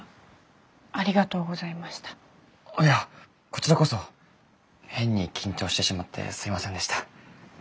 いやこちらこそ変に緊張してしまってすいませんでした。